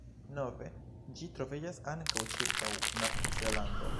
Nove ĝi troviĝas ankaŭ cirkaŭ Nov-Zelando.